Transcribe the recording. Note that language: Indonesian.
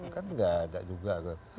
kan enggak ada juga